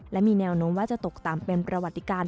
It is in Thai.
และมีแนวโน้มว่าจะตกต่ำเป็นประวัติการ